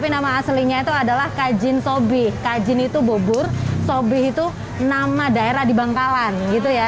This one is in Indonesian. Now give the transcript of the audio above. nama aslinya itu adalah kajin sobi kajin itu bubur sobih itu nama daerah di bangkalan gitu ya